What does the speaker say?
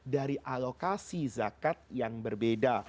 dari alokasi zakat yang berbeda